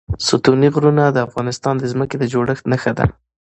ستوني غرونه د افغانستان د ځمکې د جوړښت نښه ده.